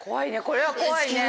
これは怖いね。